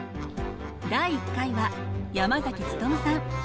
第１回は山努さん。